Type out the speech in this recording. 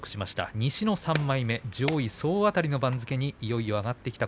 西の３枚目、上位総当たりの番付に上がってきました。